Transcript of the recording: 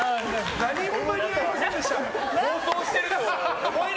何も間に合いませんでした。